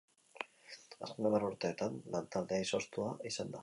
Azken hamar urteetan lantaldea izoztua izan da.